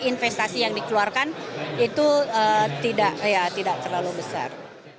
investasi yang dikeluarkan itu tidak terlalu besar